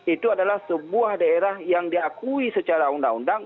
itu adalah sebuah daerah yang diakui secara undang undang